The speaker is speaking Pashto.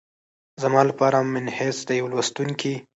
زما لپاره منحیث د یوه لوستونکي